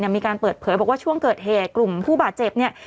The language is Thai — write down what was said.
มีการเปิดเผยบอกว่าช่วงเกิดเหตุกลุ่มผู้บาดเจ็บเนี่ย